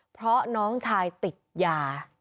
เพราะน้องชายติดยา